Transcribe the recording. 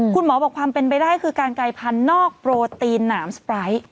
คุณหมอบอกความเป็นไปได้คือการกายพันธุ์นอกโปรตีนหนามสไปร์ท